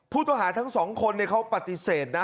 ผู้ต่อหาทั้งสองคนเนี่ยเขาปฏิเสธนะ